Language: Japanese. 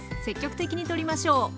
積極的にとりましょう。